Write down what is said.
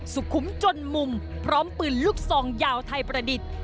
สุขุมจนมุมพร้อมปืนลูกซองยาวไทยประดิษฐ์